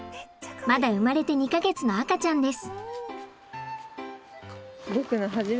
まだ生まれて２か月の赤ちゃんです。